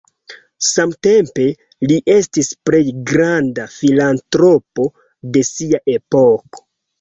Samtempe, li estis plej granda filantropo de sia epoko.